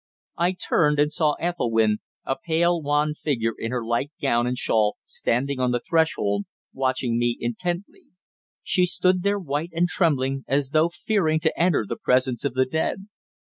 I turned and saw Ethelwynn, a pale wan figure in her light gown and shawl, standing on the threshold, watching me intently. She stood there white and trembling, as though fearing to enter the presence of the dead.